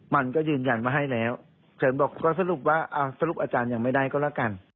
มันก็ยืนยันว่าให้แล้วฉันบอกก็สรุปว่าสรุปอาจารย์ยังไม่ได้ก็แล้วกัน